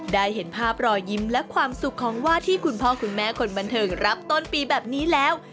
ได้เห็นภาพรอยยิ้มและความสุขของว่าที่คุณพ่อคุณแม่คนบันเทิงรับต้นปีแบบนี้แล้ว